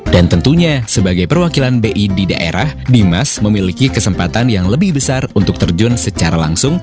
dan tentunya sebagai perwakilan bi di daerah dimas memiliki kesempatan yang lebih besar untuk terjun secara langsung